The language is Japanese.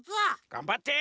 がんばって！